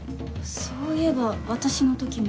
そういえば私の時も。